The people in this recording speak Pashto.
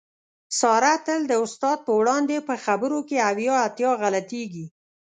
ساره تل د استاد په وړاندې په خبرو کې اویا اتیا غلطېږي.